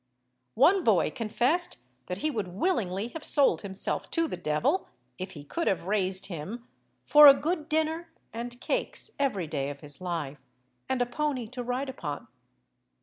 One boy confessed that he would willingly have sold himself to the devil, if he could have raised him, for a good dinner and cakes every day of his life, and a pony to ride upon.